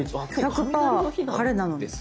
１００％晴れなのに。